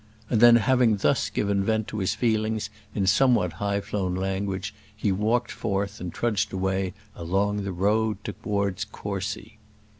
And then, having thus given vent to his feelings in somewhat high flown language, he walked forth and trudged away along the road towards Courcy.